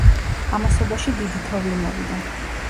ამასობაში დიდი თოვლი მოვიდა.